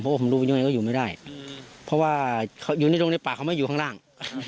เพราะว่าผมรู้ยังไงก็อยู่ไม่ได้เพราะว่าเขาอยู่ในตรงนี้ปากเขาไม่อยู่ข้างล่าง